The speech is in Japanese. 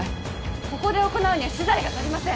ここで行うには資材が足りません